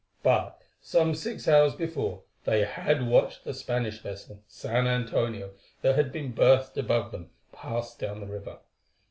But some six hours before they had watched the Spanish vessel, San Antonio, that had been berthed above them, pass down the river.